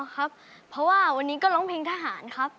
ครับเพราะว่าวันนี้ก็ร้องเพลงทหารครับ